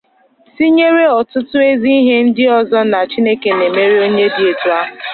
tinyere ọtụtụ ezi ihe ndị ọzọ na Chineke na-emere onye dị etu ahụ